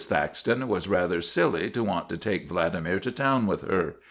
Thaxton was rather silly to want to take Vladimir to town with her.